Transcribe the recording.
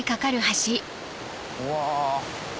うわ。